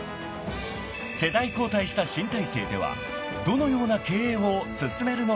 ［世代交代した新体制ではどのような経営を進めるのだろうか］